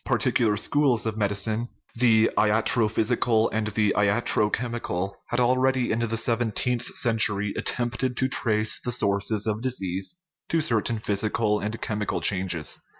Par ticular schools of medicine the latrophysical and the latrochemical had already, in the seventeenth cen tury, attempted to trace the sources of disease to certain physical and chemical changes.